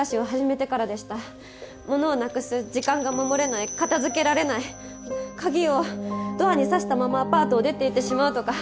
物をなくす時間が守れない片付けられない鍵をドアに挿したままアパートを出て行ってしまうとか。